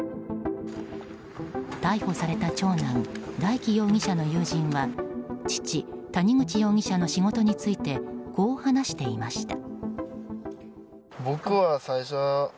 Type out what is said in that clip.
逮捕された長男大祈容疑者の友人は父・谷口容疑者の仕事についてこう話していました。